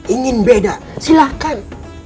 ingin beda silahkan